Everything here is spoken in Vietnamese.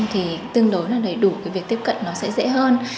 thì tương đối là đầy đủ cái việc tiếp cận nó sẽ dễ hơn